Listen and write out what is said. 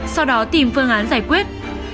sau đó tìm phương án giải quyết